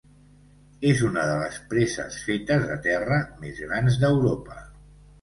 És una de les preses fetes de terra més grans d'Europa.